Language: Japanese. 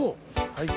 はい。